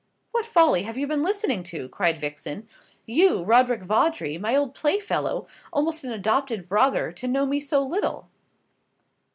"What folly have you been listening to?" cried Vixen; "you, Roderick Vawdrey, my old play fellow almost an adopted brother to know me so little."